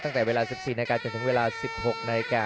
ตั้งแต่เวลา๑๔นาทีจนถึงเวลา๑๖นาฬิกา